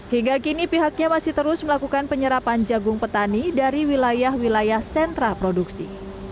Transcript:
hingga kini pihaknya masih terus melakukan penyerapan jagung petani dari wilayah wilayah sentra produksi